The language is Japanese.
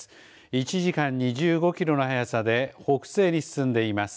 １時間に１５キロの速さで北西に進んでいます。